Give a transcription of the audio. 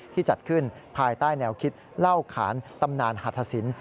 จัดขึ้นภายใต้แนวคิดเล่าขานตำนานหัฐศิลป